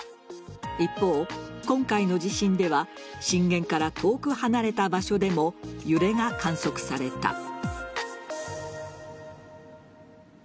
一方、今回の地震では震源から遠く離れた場所でも揺れが観測された。